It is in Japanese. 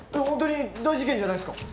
ホントに大事件じゃないですか。